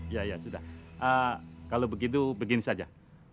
iya iya sudah kalo begitu begini saja